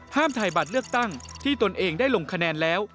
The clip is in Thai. ถ่ายบัตรเลือกตั้งที่ตนเองได้ลงคะแนนแล้ว